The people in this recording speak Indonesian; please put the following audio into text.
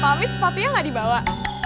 pamit sepatunya nggak dibawa